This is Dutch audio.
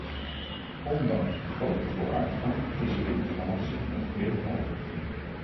Ondanks grote vooruitgang is de inflatie nog heel hoog.